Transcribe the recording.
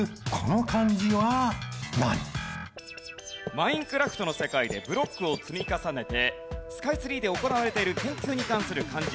『マインクラフト』の世界でブロックを積み重ねてスカイツリーで行われている研究に関する漢字